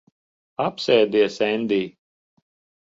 Apsēdies, Endij.